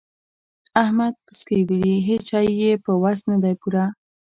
احمد پسکۍ ولي؛ هيڅ شی يې په وس نه دی پوره.